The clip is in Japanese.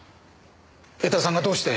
江田さんがどうして！？